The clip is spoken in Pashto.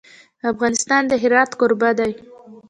افغانستان د هرات کوربه دی.